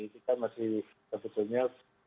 kita masih sebetulnya